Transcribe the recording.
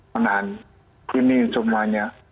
menahan kini semuanya